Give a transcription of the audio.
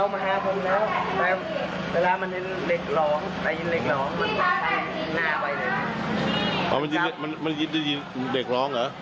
มันจริงเด็กร้องเหรอ